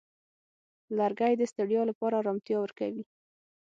لرګی د ستړیا لپاره آرامتیا ورکوي.